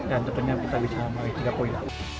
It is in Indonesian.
dan tentunya kita bisa mencapai tiga poin